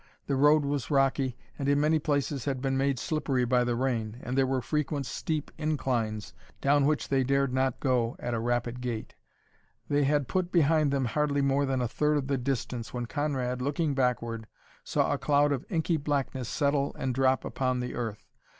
The road was rocky, and in many places had been made slippery by the rain, and there were frequent steep inclines down which they dared not go at a rapid gait. They had put behind them hardly more than a third of the distance when Conrad, looking backward, saw a cloud of inky blackness settle and drop upon the earth.